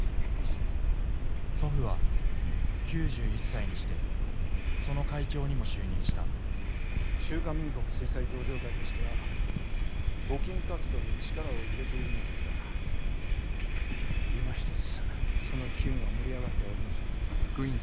祖父は９１歳にしてその会長にも就任した中華民国水災同情会としては募金活動に力を入れているのですがいまひとつその機運は盛り上がってはおりません。